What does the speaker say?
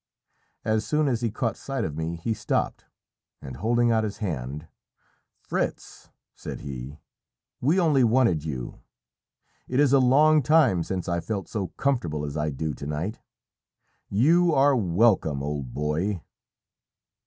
As soon as he caught sight of me he stopped, and holding out his hand "Fritz," said he, "we only wanted you. It is a long time since I felt so comfortable as I do to night. You are welcome, old boy!"